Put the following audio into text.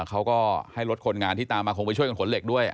เขาก็ให้รถคนงานที่ตามมาคงไปช่วยกันขนเหล็กด้วย